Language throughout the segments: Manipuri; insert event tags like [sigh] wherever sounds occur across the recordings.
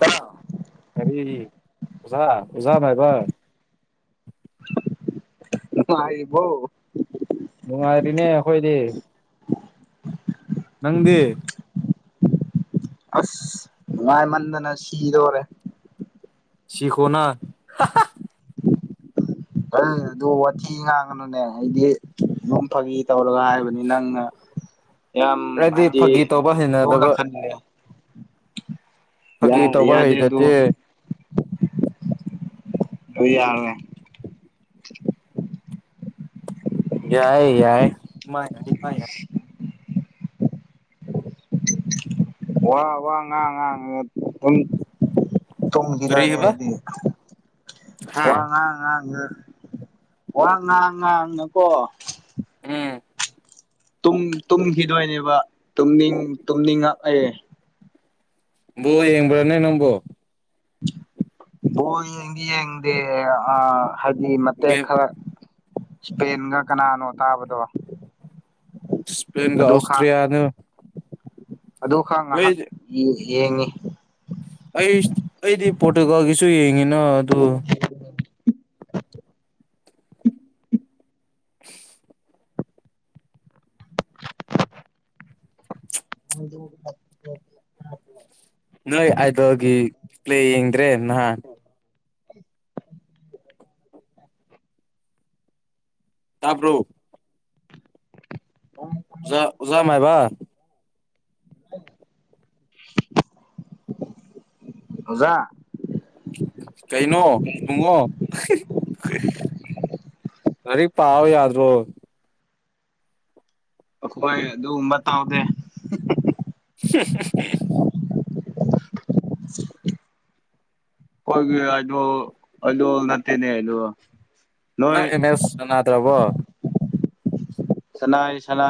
ꯀ ꯀꯔꯤ ꯑꯣꯖꯥ ꯑꯣꯖꯥ ꯥꯏꯕ ꯅꯪꯡꯉꯥꯏꯔꯤꯕꯣ ꯅꯨꯡꯉꯥꯏꯔꯤꯅꯦ ꯑꯩꯈꯣꯏꯗꯤ ꯅꯪꯗꯤ ꯑꯁ ꯅꯨꯡꯉꯥꯏꯃꯟꯗꯅ ꯁꯤꯗꯔꯦ ꯁꯤꯈꯣꯅ ꯍ ꯑꯗꯨ ꯋꯥꯊꯤ ꯉꯥꯡꯉꯅꯨꯅꯦ ꯑꯩꯗꯤ ꯅꯝ ꯐꯥꯒꯤ ꯇꯧꯔꯒ ꯍꯥꯏꯕꯗ ꯅꯪꯅ ꯌꯥꯝ ꯍꯥꯏꯗꯤ ꯐꯥꯒꯤ ꯇꯧꯕ ꯂꯨꯅ ꯍꯩꯅꯗꯕ ꯈꯟꯂꯦ ꯐꯒꯤ ꯇꯧꯕ ꯌꯥꯗꯦ ꯑꯗꯨ ꯍꯩꯖꯗꯦ ꯑꯗꯨ ꯌꯥꯦ ꯌꯥꯏ ꯌꯥꯏ ꯃꯥ ꯌꯥꯅꯤꯃ ꯌꯥꯏ ꯋꯥ ꯋꯥ ꯉꯥꯡ ꯉꯥꯡ ꯊꯝ ꯇꯨꯝꯈꯤꯗꯅꯦ ꯀꯔꯤꯕ ꯍꯥꯏꯗꯤ ꯍꯥ ꯋꯥ ꯉꯥꯡ ꯉꯥꯡ ꯋꯥꯉꯉ ꯀꯣ ꯑꯝ ꯇꯨꯝꯈꯤꯗꯣꯏꯅꯦꯕ ꯇꯨꯝꯅꯤꯡ ꯇꯨꯝꯅꯤꯡꯉꯛꯑ ꯕꯥꯜ ꯌꯦꯡꯕ꯭ꯔꯥꯅꯦ ꯅꯪꯕꯣ ꯑꯣ ꯌꯦꯡꯗꯤ ꯌꯦꯡꯗꯦ ꯑ ꯍꯥꯏꯗꯤ ꯃꯇꯦꯛ ꯒꯦꯝ ꯈꯔ ꯏꯁꯄꯦꯟꯒ ꯀꯅꯥꯅꯣ ꯇꯥꯕꯗꯣ ꯁ꯭ꯄꯦꯟꯒ ꯑꯗꯨ ꯑꯣꯁꯇ꯭ꯔꯤꯂꯤꯌꯥꯅ ꯑ ꯈ ꯉꯥꯏꯍꯥꯛ ꯌꯦꯡꯉꯤ ꯑꯩ ꯑꯩꯗꯤ ꯄꯣꯔꯇꯨꯒꯥꯜꯒꯤꯁꯨ ꯌꯦꯡꯉꯤꯅ ꯑꯗꯨ [unintelligible] [unintelligible] ꯅꯣꯏ ꯑꯗꯒꯤ ꯄ꯭ꯂꯦ ꯌꯦꯡꯗ꯭ꯔꯦ ꯅꯍꯥꯟ ꯇꯥꯕ꯭ꯔꯣ ꯑꯣꯖꯥ ꯑꯣꯖꯥ ꯃꯥꯏꯕ ꯑꯣꯖꯥ ꯀꯩꯅꯣ ꯕꯨꯡꯉꯣ ꯑꯔꯤ ꯄꯥꯎ ꯌꯥꯗ꯭ꯔꯣ ꯈꯣꯏ ꯑꯗꯨꯕ ꯇꯥꯎꯗꯦ ꯍ [unintelligible] ꯀꯣꯏꯒꯤ ꯑꯥꯏꯗꯣꯜ ꯅꯠꯇꯦꯅꯦ ꯑꯗꯣ ꯅꯣꯏ ꯅꯪ ꯑꯦ ꯃꯦꯁ ꯁꯅꯥꯗ꯭ꯔꯕꯣ ꯁꯅꯥꯥꯏ ꯁꯅꯥ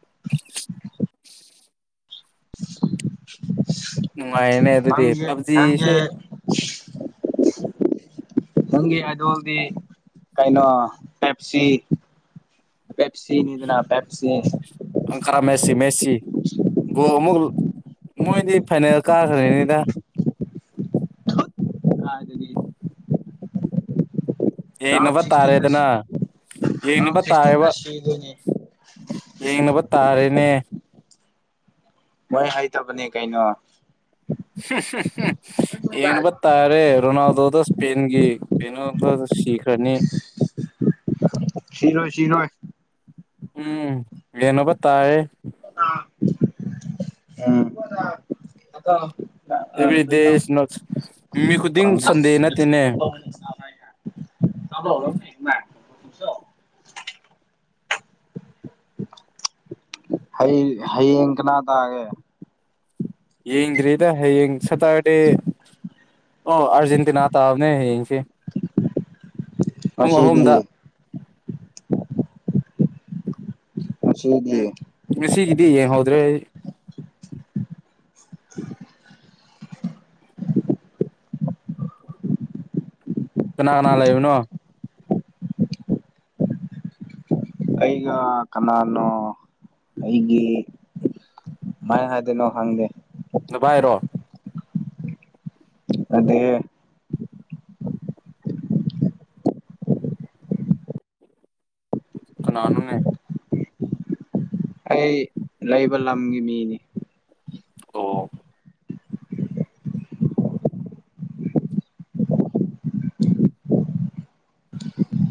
[unintelligible] ꯅꯨꯡꯉꯥꯏꯔꯦꯅꯦ ꯑꯗꯨꯗꯤ ꯅꯪꯒꯦ ꯅꯪꯒꯤꯦ ꯄꯞꯖꯤꯁꯦ [unintelligible] ꯅꯪꯒꯤ ꯑꯥꯏꯗꯣꯜꯗꯤ ꯀꯩꯅꯣ ꯄꯦꯞꯁꯤ ꯄꯦꯞꯁꯤꯅꯤꯗꯅ ꯄꯦꯞꯁꯤ ꯑꯪꯀꯔꯥ ꯃꯦꯠꯁꯤ ꯃꯦꯠꯁꯤ ꯒꯣ ꯑꯃꯨꯛ ꯃꯣꯏꯗꯤ ꯐꯥꯏꯅꯦꯜ ꯀꯥꯈ꯭ꯔꯦꯅꯤꯗ ꯑ ꯑꯗꯨꯗꯤ [inaudible] ꯔꯝ ꯌꯦꯡꯅꯕ ꯁꯤꯇ ꯇꯥꯔꯦꯗꯅ ꯔꯝ ꯌꯦꯡꯅꯕ ꯇꯥꯔꯦꯕ ꯁꯤꯁꯇꯤꯟꯗꯁꯤꯗꯅꯦ [inaudible] ꯌꯦꯡꯅꯕ ꯇꯥꯔꯦꯅꯦ ꯃꯣꯏ ꯍꯩꯇꯕꯅꯦ ꯀꯩꯅꯣ ꯌꯦꯟꯅꯕ ꯇꯥꯔꯦ ꯔꯣꯅꯥꯜꯗꯣꯗ ꯏꯁꯄꯦꯟꯒꯤ ꯀꯩꯅꯣꯗ ꯁꯤꯈ꯭ꯔꯅꯤ ꯁꯤꯔꯣꯏ ꯁꯤꯔꯣꯏ ꯎꯝ ꯌꯦꯡꯅꯕ ꯇꯥꯥꯏꯔꯦ ꯑꯝ [inaudible] ꯑꯦꯚ꯭ꯔꯤꯗꯦ ꯏꯁ ꯅꯣꯠ ꯅꯨꯃꯤꯠ ꯈꯨꯗꯤꯡ ꯁꯟꯗꯦ ꯑꯁ ꯅꯠꯇꯦꯅꯦ ꯆꯂꯣ [inaudible] ꯍꯌꯦꯡ ꯍꯌꯦꯡ ꯀꯅꯥ ꯇꯥꯒꯦ ꯌꯦꯡꯗ꯭ꯔꯤꯗ ꯍꯌꯦꯡ ꯁꯇꯔꯗꯦ ꯑꯣ ꯑꯥꯔꯖꯦꯟꯇꯤꯅꯥ ꯇꯥꯕꯅꯦ ꯍꯌꯦꯡꯁꯦ ꯄꯨꯡ ꯉꯁꯤꯗꯤ ꯑꯍꯨꯝꯗ ꯉꯁꯤꯗꯤ ꯎꯝ ꯉꯁꯤꯒꯤꯗꯤ ꯌꯦꯡꯍꯧꯗ꯭ꯔꯦ ꯑꯩ ꯀꯅꯥ ꯀꯅꯥ ꯂꯩꯕꯅꯣ ꯑꯩꯒ ꯀꯅꯥꯅꯣ ꯑꯩꯒꯤ ꯀꯃꯥꯏ ꯍꯥꯏꯗꯣꯏꯅꯣ ꯍꯪꯗꯦ ꯅꯚꯥꯏꯔꯣ ꯅꯠꯇꯦꯍꯦ ꯀꯅꯅꯣꯅꯦ ꯑꯩ ꯂꯩꯕ ꯂꯝꯒꯤ ꯃꯤꯅꯤ ꯑꯣ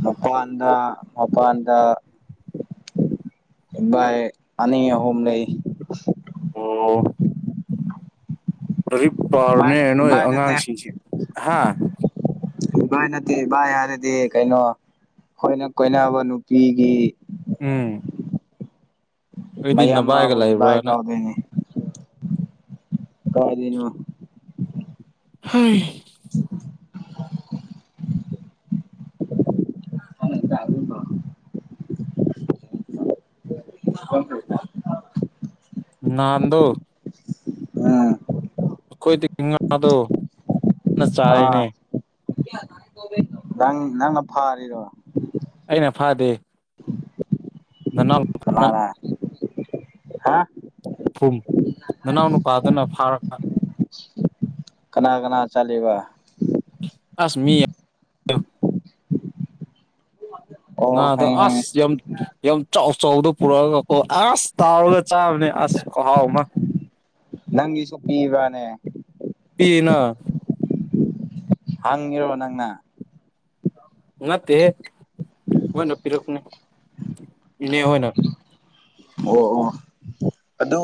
ꯃꯄꯥꯟꯗ ꯃꯄꯥꯟꯗ ꯚꯥꯏ ꯑꯅꯤ ꯑꯍꯨꯝ ꯂꯩ ꯑꯣ ꯂꯥꯏꯔꯤꯛ ꯄꯥꯔꯣꯅꯦ ꯏꯕꯥꯏꯅ ꯅꯣꯏ ꯏꯕꯥꯏ ꯑꯉꯥꯡꯁꯤꯡꯁꯦ ꯍꯥꯥ ꯢꯚꯥꯏ ꯅꯠꯇꯦ ꯢꯚꯥꯏ ꯍꯥꯏꯔꯦꯗꯤ ꯀꯩꯅꯣ ꯑꯩꯈꯣꯏꯅ ꯀꯣꯏꯅꯕ ꯅꯨꯄꯤꯒꯤ ꯎꯝ ꯑꯩꯗꯤ ꯃꯌꯥꯝ ꯅꯚꯏꯒ ꯕꯥꯕꯨ ꯏꯕꯥꯏ ꯂꯩꯕ꯭ꯔꯥꯅ ꯀꯥꯎꯗꯣꯏꯅꯦ ꯀꯥꯗꯥꯢꯗꯩꯅꯣ ꯍꯣꯏ [inaudible] [unintelligible] [unintelligible] ꯍ ꯍ [unintelligible] ꯅꯟꯗꯨ ꯎꯝ ꯑꯩꯈꯣꯏꯗꯤꯗꯣ [inaudible] ꯑꯥ ꯅꯪ ꯅꯪꯅ ꯐꯥꯔꯤꯔꯣ ꯑꯩꯅ ꯐꯥꯗꯦ ꯅꯅꯥꯎ ꯅꯨꯄꯥꯅ ꯀꯅꯅꯥ ꯍꯥ ꯐꯨꯝ ꯅꯅꯥꯎ ꯅꯨꯄꯥꯗꯨꯅ ꯐꯥꯔꯛꯄ ꯀꯅꯥ ꯀꯅꯥ ꯆꯠꯂꯤꯕ ꯑꯁ ꯃꯤ ꯑꯣ ꯉꯥꯗꯣ ꯈꯪꯉꯦ ꯈꯪꯉꯦ ꯑꯁ ꯌꯥꯝ ꯀꯤ ꯌꯥꯝ ꯆꯥꯎ ꯆꯥꯎꯗ ꯄꯨꯔꯛꯑꯒ ꯀꯣ ꯑꯁ ꯇꯥꯎꯔꯒ ꯆꯥꯕꯅꯦ ꯑꯁ ꯈꯨꯍꯥꯎ ꯑꯃ ꯅꯪꯒꯤꯁꯨ ꯄꯤꯕꯔꯅꯦ ꯄꯤꯅ ꯍꯪ ꯏꯔꯤꯔꯣ ꯅꯪꯅ ꯅꯠꯇꯦꯍꯦ ꯃꯣꯏꯅ ꯄꯤꯔꯛꯄꯅꯦ ꯏꯅꯦꯍꯣꯏꯅ ꯑꯣ ꯑꯣ ꯑꯗꯨ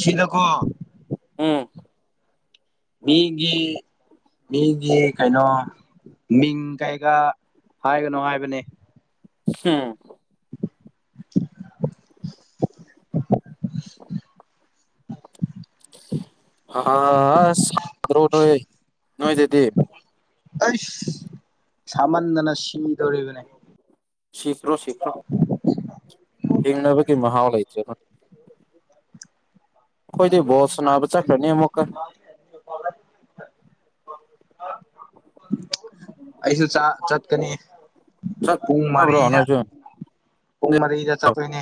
ꯁꯤꯗꯀꯣ ꯎꯝ ꯃꯤꯒꯤ ꯃꯤꯒꯤ ꯀꯩꯅꯣ ꯃꯤꯡ ꯀꯩꯒ ꯍꯥꯏꯒꯅꯣ ꯍꯥꯏꯕꯅꯦ ꯍꯣ [unintelligible] [unintelligible] ꯑꯥꯁ ꯁꯥꯃꯟꯗꯅ ꯁꯤꯗꯧꯔꯤꯕꯅꯦ ꯁꯤꯈ꯭ꯔꯣ ꯁꯤꯈ꯭ꯔꯣ ꯍꯤꯡꯅꯕꯒꯤ ꯃꯍꯥꯎ ꯂꯩꯇ꯭ꯔꯕ ꯑꯩꯈꯣꯏꯗꯤ ꯕꯣꯜ ꯁꯅꯕ ꯆꯈ꯭ꯔꯅꯤ ꯑꯃꯃꯨꯛꯀꯥ ꯑꯩꯁꯨ ꯆꯠꯀꯅꯤ ꯆꯠ ꯄꯨꯡ ꯂꯥꯕꯔꯣ ꯃꯔꯤꯗ ꯅꯣꯏꯁꯨ ꯄꯨꯡ ꯃꯔꯤꯗ ꯆꯠꯇꯣꯏꯅꯦ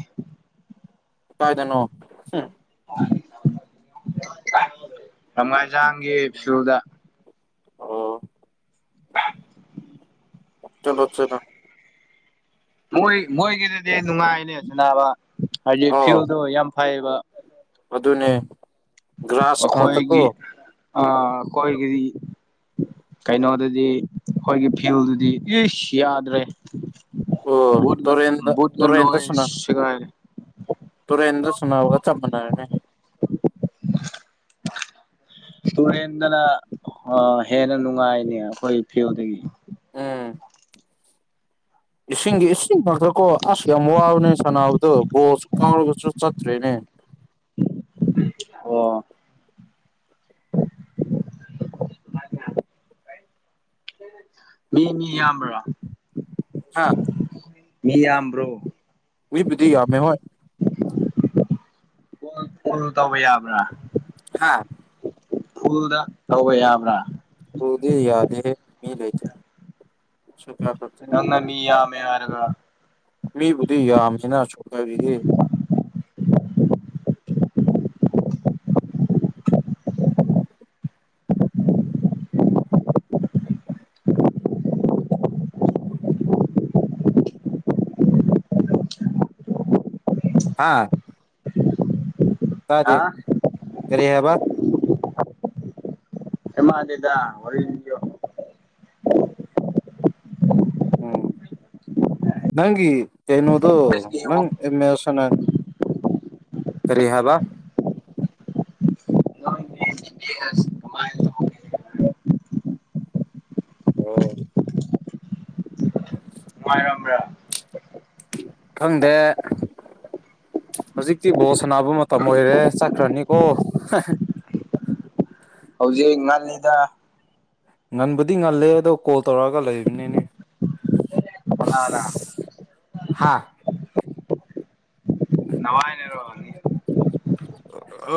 ꯀꯥꯏꯗꯅꯣ ꯎꯝ ꯂꯝꯉꯥꯏꯖꯥꯡꯒꯤ ꯐꯨꯗ [unintelligible] ꯃꯣꯏ ꯃꯣꯏꯒꯤꯗꯗꯤ ꯅꯨꯡꯉꯥꯏꯅꯦ ꯁꯅꯥꯕ ꯍꯥꯏꯗꯤ ꯐꯤꯜꯗꯣ ꯌꯥꯝ ꯐꯩꯌꯦꯕ ꯃꯗꯨꯅꯦ ꯑꯩꯈꯣꯏꯒꯤ ꯑ ꯑꯩꯈꯣꯏꯒꯤ ꯀꯩꯅꯣꯗꯨꯗꯤ ꯑꯩꯈꯣꯏꯒꯤ ꯐꯤꯜꯗꯨꯗꯤ ꯌꯥꯗ꯭ꯔꯦ ꯑꯣ ꯇꯨꯔꯦꯟꯗ ꯕꯨꯠꯪꯥ ꯇꯨꯔꯦꯟꯗ ꯂꫭꯏ ꯁꯥꯟꯅ ꯁꯤꯒꯥꯏ ꯇꯨꯔꯦꯟꯗ ꯁꯥꯟꯅꯕꯒ ꯆꯞ ꯃꯅꯔꯅꯦ [unintelligible] ꯇꯨꯔꯦꯟꯗꯅ ꯑ ꯍꯦꯟꯅ ꯅꯨꯡꯉꯥꯏꯅꯦ ꯑꯩꯈꯣꯏ ꯐꯤꯜꯗꯒꯤ ꯑꯝ ꯏꯁꯤꯡꯒꯤ ꯏꯁꯤꯡ ꯈꯛꯇ ꯀꯣ ꯑꯁ ꯌꯥꯝ ꯋꯥꯕꯅꯦ ꯁꯥꯟꯅꯕꯗꯣ ꯕꯣꯁꯨ ꯀꯥꯎꯔꯒꯁꯨ ꯆꯠꯇ꯭ꯔꯦꯅꯦ ꯑꯣ ꯃꯤ ꯃꯤ ꯌꯥꯝꯕ꯭ꯔꯥ ꯍꯥ ꯃꯤ ꯌꯥꯝ꯭ꯕꯔꯣ ꯃꯤꯕꯨꯗꯤ ꯌꯥꯝꯃꯦ ꯍꯣꯏ ꯀꯣꯜ ꯇꯧꯕ ꯌꯥꯕ꯭ꯔꯥ ꯍꯥꯥ ꯎꯨꯜꯗ ꯇꯧꯕ ꯌꯥꯕ꯭ꯔꯥ ꯍꯧꯗꯤ ꯌꯥꯗꯦ ꯃꯤ ꯂꯩꯇ ꯅꯪꯅ ꯃꯤ ꯌꯝꯃꯦ ꯍꯥꯏꯔꯒ ꯃꯤꯕꯨꯗꯤ ꯌꯥꯝꯃꯤꯅ ꯁꯨꯛꯀꯕꯤꯗꯤ ꯍꯥꯥ ꯍꯥ ꯀꯔꯤ ꯍꯥꯏꯕ ꯑꯩꯃꯥꯟꯗꯦꯗ ꯋꯥꯔꯤ ꯂꯤꯌꯣ ꯅꯪꯒꯤ ꯀꯩꯅꫭꯗꯨ ꯀꯔꯤ ꯍꯥꯏꯕ [unintelligible] ꯑꯣ [unintelligible] ꯈꯪꯗꯦ ꯍꯧꯖꯤꯛꯇꯤ ꯕꯣꯠ ꯁꯥꯟꯅꯕ ꯃꯇꯝ ꯑꯣꯏꯔꯦ ꯆꯠꯈ꯭ꯔꯅꯤꯀꯣ ꯍꯧꯖꯤꯛ ꯉꯜꯂꯤꯗꯥ ꯉꯟꯕꯨꯗꯤ ꯉꯜꯂꯦ ꯑꯗꯣ ꯀꯣꯜ ꯇꯧꯔꯛꯑꯒ ꯂꯩꯕꯅꯤꯅꯦ ꯀꯅꯥꯔ ꯍꯥꯥ ꯅꯋꯥꯥꯏꯅꯔꯣ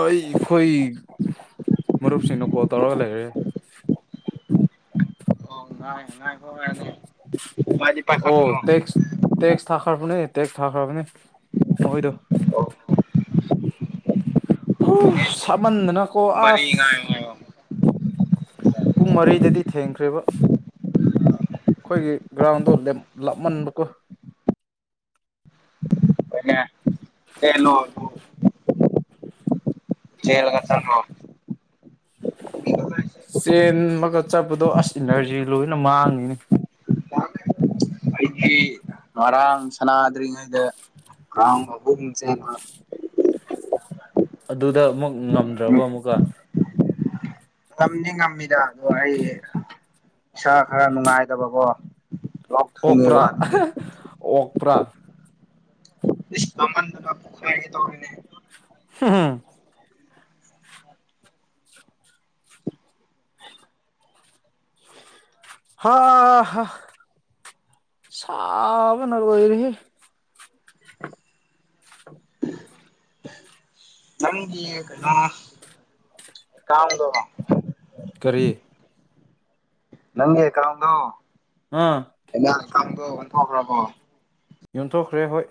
ꯑꯩꯈꯣꯏ ꯃꯔꯨꯞꯁꯤꯡꯗꯣ ꯀꯣꯜ ꯇꯧꯔꯒ ꯂꯩꯔꯦ ꯑꯣ ꯉꯥꯏ ꯉꯥꯏꯈꯣ ꯉꯥꯏꯅꯦ ꯑꯣ ꯇꯦꯛꯁ ꯇꯦꯛꯁ ꯊꯥꯈ꯭ꯔꯕꯅꯦ ꯇꯦꯛꯁ ꯊꯥꯈ꯭ꯔꯕꯅꯦ ꯅꯣꯏꯗꯣ ꯁꯥꯃꯟꯗꯅ ꯄꯨꯡ ꯃꯔꯤ ꯉꯥꯏꯌꯣ ꯍꯥꯏꯌꯣ ꯄꯨꯡ ꯃꯔꯤꯗꯗꯤ ꯊꯦꯡꯈ꯭ꯔꯦꯕ ꯑꯩꯈꯣꯏꯒꯤ ꯒ꯭ꯔꯥꯎꯟꯗꯣ ꯂꯦꯞ ꯂꯥꯞꯃꯟꯕꯀꯣ ꯀꯦꯉꯦ ꯆꯦꯜꯂꯣ ꯆꯦꯜꯂꯒ ꯆꯠꯂꯣ ꯆꯦꯟꯃꯒ ꯆꯠꯄꯗꯣ ꯑꯁ ꯏꯅ꯭ꯔꯖꯤ ꯂꯣꯏꯅ ꯃꯥꯡꯅꯤꯅꯦ ꯑꯩꯗꯤ ꯉꯔꯥꯡ ꯁꯅꯥꯗ꯭ꯔꯤꯉꯩꯗ [unintelligible] ꯔꯥꯥꯎꯟ ꯑꯍꯨꯝ ꯆꯦꯟꯕ ꯑꯗꯨꯗ ꯑꯃꯨꯛ ꯉꯝꯗ꯭ꯔꯕ ꯑꯃꯨꯛꯀ ꯉꯝꯗꯤ ꯉꯝꯃꯤꯗ ꯑꯗꯣ ꯑꯩ ꯏꯁꯥ ꯈꯔ ꯅꯨꯡꯉꯥꯏꯇꯕꯀꯣ ꯂꯣꯛ ꯊꯨꯡꯉꯦꯕ ꯑꯣꯛꯄ꯭ꯔꯥ ꯑꯗꯨꯒꯤ ꯑꯣꯛꯄ꯭ꯔꯥ ꯏꯁ ꯆꯥꯃꯟꯗꯅ ꯄꯣꯛꯈꯥꯏꯒꯦ ꯇꯧꯔꯤꯅꯦ ꯍꯨꯝ ꯍꯨꯝ ꯍꯥ ꯍꯥ ꯁꯥꯕꯅ ꯂꯣꯏꯔꯦꯍꯦ ꯅꯪꯒꯤ ꯀꯩꯅ ꯑꯦꯀꯥꯎꯟꯗꯣ ꯀꯔꯤ ꯅꯪꯒꯤ ꯑꯦꯀꯥꯎꯟꯗꯣ ꯑꯥ ꯍꯦꯅꯥ ꯑꯀꯥꯎꯟꯗꯣ ꯑꯣꯟꯊꯣꯛꯈ꯭ꯔꯕꯣ ꯌꯣꯟꯊꯣꯛꯈ꯭ꯔꯦ ꯍꯣꯏ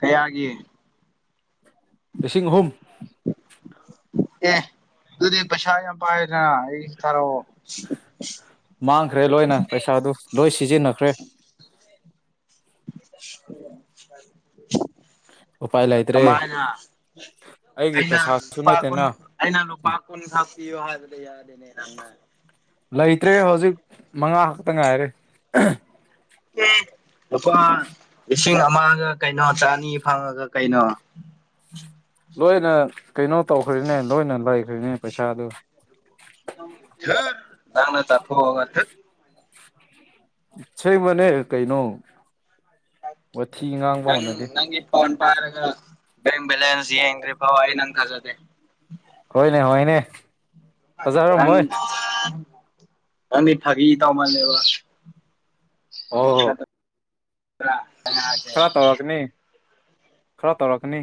ꯀꯌꯥꯒꯤ ꯂꯤꯁꯤꯡ ꯑꯍꯨꯝ ꯑꯦ ꯑꯗꯨꯗꯤ ꯄꯩꯁꯥ ꯌꯥꯝ ꯄꯥꯏꯅ ꯑꯩ ꯊꯥꯔꯛꯑꯣ ꯃꯥꯡꯈ꯭ꯔꯦ ꯂꯣꯏꯅ ꯄꯩꯁꯥꯗꯨ ꯂꯣꯏ ꯁꯤꯖꯤꯟꯅꯈ꯭ꯔꯦ ꯎꯄꯥꯏ [unintelligible] ꯂꯩꯇ꯭ꯔꯦ ꯀꯃꯥꯏꯅ ꯑꯩꯒꯤ ꯑꯩꯅ ꯄꯩꯁꯥꯁꯨ ꯂꯨꯄꯥ ꯀꯨꯟ ꯅꯠꯇꯦꯅ ꯑꯩꯅ ꯂꯨꯄꯥꯥ ꯀꯨꯟ ꯈꯛ ꯄꯤꯌꯣ ꯍꯥꯏꯕꯗꯤ ꯌꯥꯗꯦꯅꯦ ꯅꯪꯅ ꯂꯩꯇ꯭ꯔꯦ ꯍꯧꯖꯤꯛ ꯃꯉꯥ ꯈꯛꯇ ꯉꯥꯏꯔꯦ ꯑꯦ ꯂꯨꯄꯥ ꯂꯤꯁꯤꯡ ꯑꯃꯒ ꯀꯩꯅꯣ ꯆꯅꯤ ꯐꯪꯉꯒ ꯀꯩꯅꯣ ꯂꯣꯏꯅ ꯀꯩꯅꯣ ꯇꯧꯈ꯭ꯔꯤꯅꯦ ꯂꯣꯏꯅ ꯂꯩꯈ꯭ꯔꯤꯅꯦ ꯄꯩꯁꯥꯗꯣ ꯎꯝ ꯗꯨꯠ ꯅꯪꯅ ꯆꯥꯊꯣꯛꯑꯒ ꯗꯠ ꯁꯦꯝꯕꯅꯦ ꯀꯩꯅꯣ ꯋꯥꯊꯤ ꯉꯥꯡ ꯅꯪ ꯅꯪꯒꯤ ꯐꯣꯟ ꯄꯥꯏꯔꯒ ꯕꯦꯡ ꯕꯦꯂꯦꯟꯁ ꯌꯦꯡꯗ꯭ꯔꯤꯐꯥꯎ ꯑꯩ ꯅꯪ ꯊꯥꯖꯗꯦ ꯍꯣꯏꯅꯦ ꯍꯣꯏꯅꯦ ꯅꯪ ꯐꯖꯔꯝꯃꯣꯏ ꯅꯪꯗꯤ ꯐꯥꯒꯤ ꯇꯧꯃꯜꯂꯦꯕ ꯑꯣ ꯅꯗꯨ ꯕ꯭ꯔꯥ ꯑꯩꯅ ꯍꯥꯏꯁꯦ ꯈꯔ ꯇꯧꯔꯛꯀꯅꯤ ꯈꯔ ꯇꯧꯔꯛꯀꯅꯤ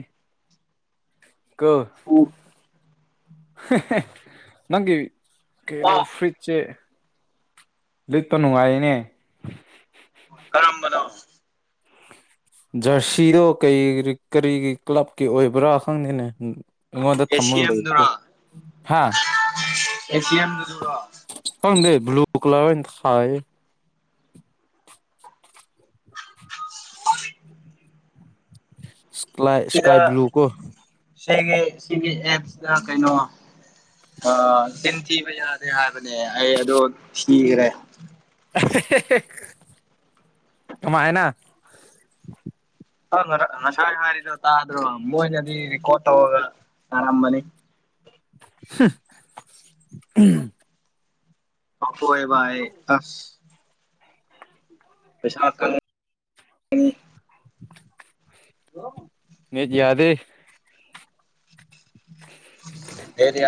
ꯀꯣ ꯎ ꯅꯪꯒꯤ ꯀꯩꯅꯣ ꯐ꯭ꯔꯨꯏꯠ ꯆꯦ ꯂꯤꯠꯄ ꯅꯨꯡꯉꯥꯏꯌꯦꯅꯦ ꯀꯥꯔꯝꯕꯅꯤ ꯖꯔꯁꯤꯗꯣ ꯀꯔꯤꯒꯤ ꯀ꯭ꯂꯕꯀꯤ ꯑꯣꯏꯕ꯭ꯔꯥ ꯈꯪꯗꯦꯅꯦ ꯑꯩꯉꯣꯟꯗ ꯑꯦꯁꯤ ꯊꯝꯃꯒ ꯑꯦꯝꯗꯨꯔꯣ ꯂꯩꯀꯣ ꯍꯥ ꯑꯦꯁꯤ ꯑꯦꯝꯗꯨꯗꯨꯔꯣ ꯀꯪꯗꯦ ꯕ꯭ꯂꯨ ꯀꯂꯔ ꯑꯣꯏ ꯍꯥꯏꯌꯦ ꯏꯁꯀꯥꯏ ꯏꯁꯀꯥꯏ ꯁꯤꯗ ꯕ꯭ꯂꯨ ꯀꯣ ꯁꯤꯒꯤ ꯁꯤꯒꯤ ꯑꯦꯞꯁꯤ ꯀꯩꯅꯣ ꯑ ꯆꯤꯟ ꯊꯤꯕ ꯌꯥꯗꯦ ꯍꯥꯏꯕꯅꯦ ꯑꯩ ꯑꯗꯨꯗꯣ ꯊꯤꯈ꯭ꯔꯦ ꯁꯨꯃꯥꯏꯅ ꯍ ꯉꯥꯁꯥꯏ ꯍꯥꯏꯔꯤꯗꯣ ꯇ꯭ꯔꯣ ꯃꯣꯅꯗꯤ ꯀꯣꯠꯇ ꯍꯒ ꯑꯔꯝꯕꯅꯤ [unintelligible] [unintelligible] ꯄꯩꯁꯥ [unintelligible] ꯍꯂꯣ ꯅꯦꯠ ꯌꯥꯗꯦ ꯑꯦꯔꯤ